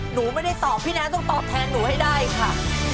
หนูไม่ได้ตอบพี่แนนต้องตอบแทนหนูให้ได้ค่ะ